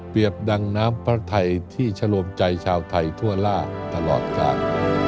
ดังน้ำพระไทยที่ชะโลมใจชาวไทยทั่วล่าตลอดกาล